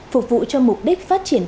phục vụ cho mục đích phát triển